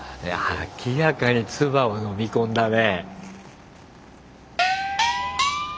明らかに唾をのみ込んだね。